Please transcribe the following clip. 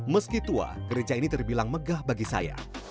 meski tua gereja ini terbilang megah bagi saya